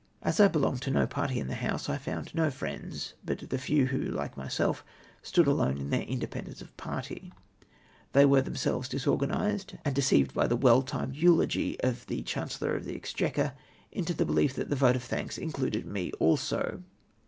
As I belonged to no party in the House, I found no friends but the few who, hke myself, stood alone in their in dependence of party. Tliose were themselves disor ganised, and deceived by the well timed eulogy of the Chancellor of the Exchequer, into the behef that the vote of thanks included me also.